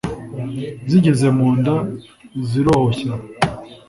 zigeze mu nda zirohoshya